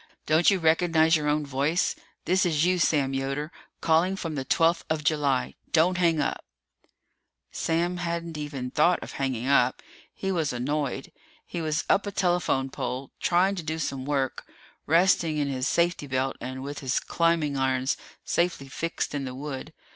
Don't you recognize your own voice? This is you, Sam Yoder, calling from the twelfth of July. Don't hang up!" Sam hadn't even thought of hanging up. He was annoyed. He was up a telephone pole, trying to do some work, resting in his safety belt and with his climbing irons safely fixed in the wood.